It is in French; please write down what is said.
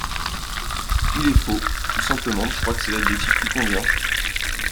Il est faux, tout simplement, je crois que c’est l’adjectif qui convient.